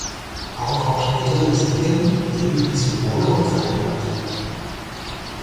Auch auf späteren Siegeln blieben die Symbole unverändert.